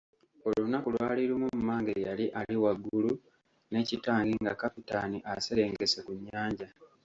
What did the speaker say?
Olunaku lwali lumu mmange yali ali waggulu ne kitange nga Kapitaani aserengese ku nnyanja.